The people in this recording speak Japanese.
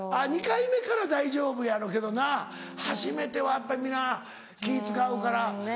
２回目から大丈夫やろけどな初めてはやっぱり皆気使うから。